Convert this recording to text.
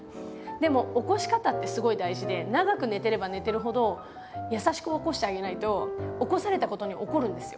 でも起こし方ってすごい大事で長く寝てれば寝てるほどやさしく起こしてあげないと起こされたことに怒るんですよ。